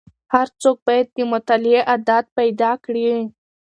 هر څوک باید د مطالعې عادت پیدا کړي.